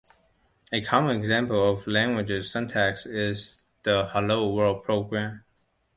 A common example of a language's syntax is the Hello world program.